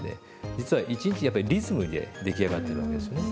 実は一日やっぱりリズムで出来上がってるわけですね。